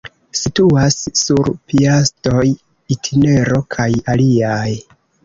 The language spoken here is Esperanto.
Situas sur Piastoj-itinero kaj aliaj.